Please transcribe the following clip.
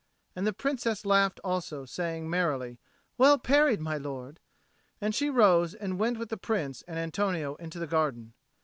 And the Princess laughed also, saying merrily, "Well parried, my lord!" And she rose and went with the Prince and Antonio into the garden.